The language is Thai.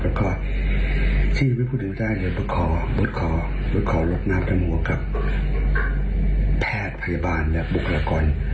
แล้วก็ที่ไม่พูดถึงได้เนี่ยบดคอบดคอบดคอหลบน้ำทั้งหมวกับแพทย์พยาบาลและบุคลากร